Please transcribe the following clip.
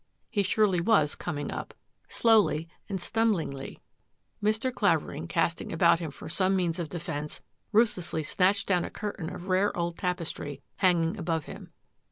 He surely was coming up, slowly and stum blingly. Mr. Clavering, casting about him for some means of defence, ruthlessly snatched down a curtain of rare old tapestry hanging above him.